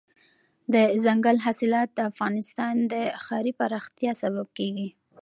دځنګل حاصلات د افغانستان د ښاري پراختیا سبب کېږي.